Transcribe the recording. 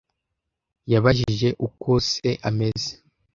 Yabajije uko se ameze.